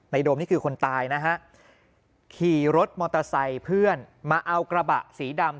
โดมนี่คือคนตายนะฮะขี่รถมอเตอร์ไซค์เพื่อนมาเอากระบะสีดำ